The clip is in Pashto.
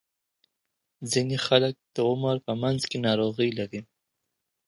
ځینې خلک د عمر په منځ کې ناروغۍ لري.